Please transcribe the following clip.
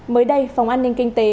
mới đây phòng an ninh kinh tế